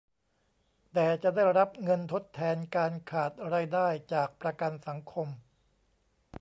แต่จะได้รับเงินทดแทนการขาดรายได้จากประกันสังคม